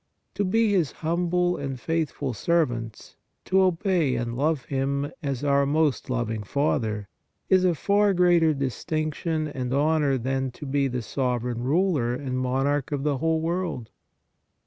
To be His humble and faithful servants, to obey and love Him as our most loving Father is a far greater distinction and honor than to be the sovereign ruler and monarch of the whole world.